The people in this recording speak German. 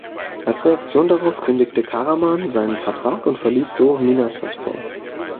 Als Reaktion darauf kündigte Karaman seinen Vertrag und verließ so Manisaspor.